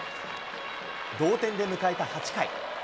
同点で迎えた８回。